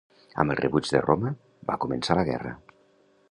Amb el rebuig de Roma, va començar la guerra.